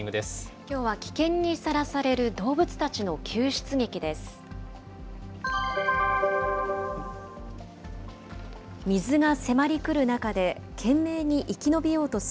きょうは危険にさらされる動物たちの救出劇です。